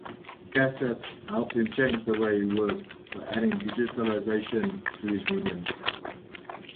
Cassatt helped him change the way he worked by adding digitalization to his mediums.